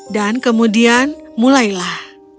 dan kemudian mulailah